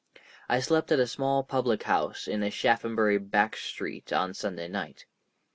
I slept at a small public house in a Shaphambury back street on Sunday night.